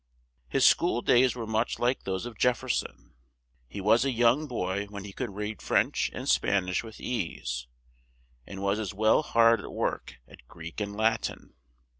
His school days were much like those of Jef fer son. He was a young boy when he could read French and Span ish with ease, and was as well hard at work at Greek and Lat in.